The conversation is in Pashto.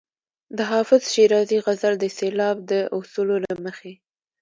د حافظ شیرازي غزل د سېلاب د اصولو له مخې.